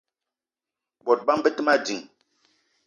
Bot bama be te ma ding.